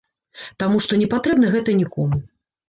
Таму што не патрэбна гэта нікому.